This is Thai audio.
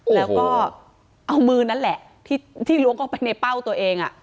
แล้วก็เอามือนั่นแหละที่ล้วงเข้าไปในเป้าตัวเอง